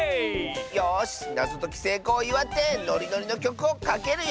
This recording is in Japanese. よしなぞときせいこうをいわってノリノリのきょくをかけるよ！